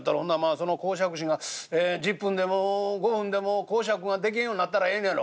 その講釈師が１０分でも５分でも講釈ができへんようになったらええのやろ？」。